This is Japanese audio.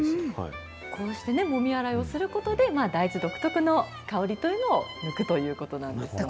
こうしてもみ洗いをすることで、大豆独特の香りというのを抜くということなんですね。